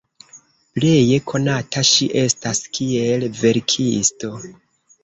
Pleje konata ŝi estas kiel verkisto.